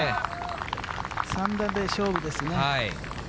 ３打目で勝負ですね。